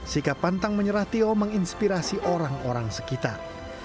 sikap pantang menyerah tio menginspirasi orang orang sekitar